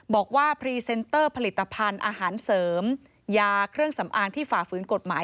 พรีเซนเตอร์ผลิตภัณฑ์อาหารเสริมยาเครื่องสำอางที่ฝ่าฝืนกฎหมาย